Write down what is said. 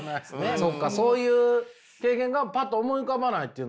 そっかそういう経験がパッと思い浮かばないっていう。